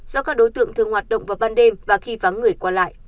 do các đối tượng thường hoạt động vào ban đêm và khi vắng người qua lại